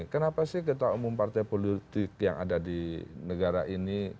kenapa sih ketua umum partai politik yang ada di negara ini